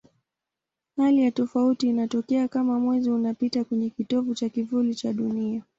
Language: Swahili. Hali ya tofauti inatokea kama Mwezi unapita kwenye kitovu cha kivuli cha Dunia.